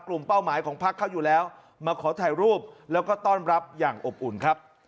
เป้าหมายของพักเขาอยู่แล้วมาขอถ่ายรูปแล้วก็ต้อนรับอย่างอบอุ่นครับ